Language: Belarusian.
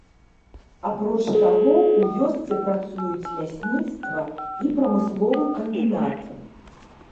Апроч таго, у вёсцы працуюць лясніцтва і прамысловы камбінат.